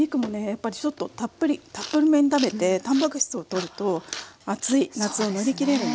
やっぱりちょっとたっぷりめに食べてたんぱく質をとると暑い夏を乗り切れるので。